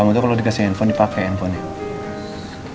kamu tuh kalo dikasih handphone dipake handphone nya